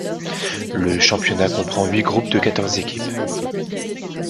Le championnat comprend huit groupes de quatorze équipes.